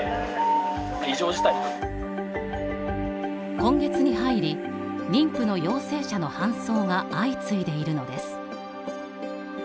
今月に入り妊婦の陽性者の搬送が相次いでいるのです。